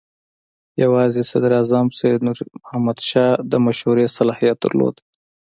یوازې صدراعظم سید نور محمد شاه د مشورې صلاحیت درلود.